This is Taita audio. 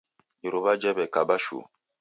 Iruwa jawekaba shuu